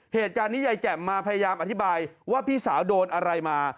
เหตุการณ์นี้ยายแจ่มมาพยายามอธิบายว่าพี่สาวโดนอะไรมา